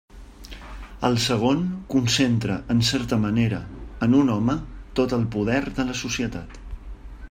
El segon concentra en certa manera en un home tot el poder de la societat.